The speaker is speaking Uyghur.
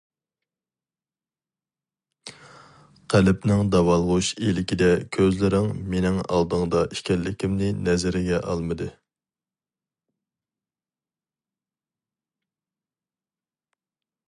قەلبىڭ داۋالغۇش ئىلكىدە كۆزلىرىڭ مېنىڭ ئالدىڭدا ئىكەنلىكىمنى نەزىرىگە ئالمىدى.